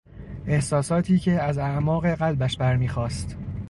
احساساتی که از اعماق قلبش برمیخاست